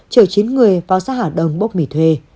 chở chín người vào xã hà đông bốc mỉ thuê